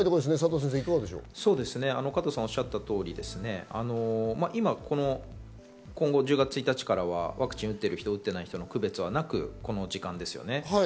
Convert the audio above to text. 加藤さんおっしゃった通り、１０月１日からはワクチンを打っている人打っていない人、区別なくこの時間ですよね。